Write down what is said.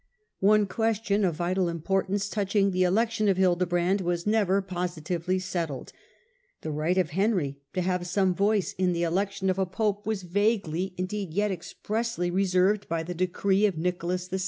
One question of vital importance touching the elec tion of Hildebrand was never positively settled. The right of Henry to have some voice in the election of a pope was vaguely, indeed, yet expressly, reserved by the decree of Nicolas IE.